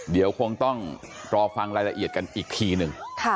เดี๋ยวคงต้องรอฟังรายละเอียดกันอีกทีหนึ่ง